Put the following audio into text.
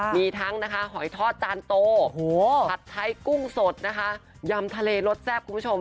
มีทั้งนะคะหอยทอดจานโตผัดไทยกุ้งสดนะคะยำทะเลรสแซ่บคุณผู้ชม